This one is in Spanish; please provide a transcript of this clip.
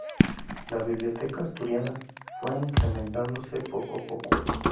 La Biblioteca Asturiana fue incrementándose poco a poco.